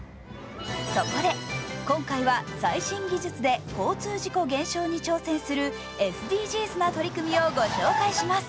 そこで、今回は最新技術で交通事故減少に挑戦するＳＤＧｓな取り組みをご紹介します。